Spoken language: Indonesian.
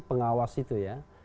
pengawas itu ya